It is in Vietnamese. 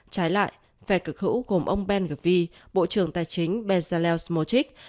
trái lại phè cực hữu gồm ông ben ghvi bộ trưởng tài chính bezalel smotrich